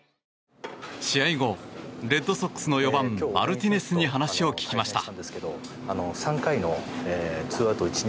試合後、レッドソックスの４番マルティネスに話を聞きました。